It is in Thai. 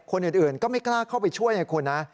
คนอื่นก็ไม่กล้าเข้าไปช่วยไงคุณนะ